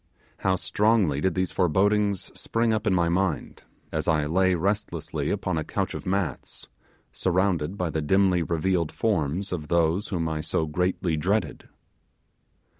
How strongly did these forebodings spring up in my mind as I lay restlessly upon a couch of mats surrounded by the dimly revealed forms of those whom I so greatly dreaded!